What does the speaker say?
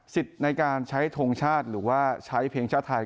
ในการใช้ทงชาติหรือว่าใช้เพลงชาติไทย